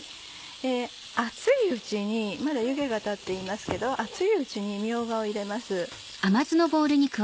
熱いうちにまだ湯気が立っていますけど熱いうちにみょうがを入れます。